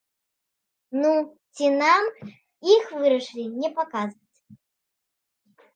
Ну, ці нам іх вырашылі не паказваць.